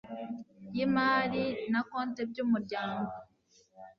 y imali na konte by umuryango